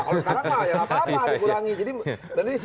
kalau sekarang tidak ya tidak apa apa dikurangi